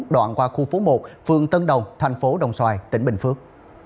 đoạn qua khu phố một phường tân đồng thành phố đồng xoài tỉnh bình phước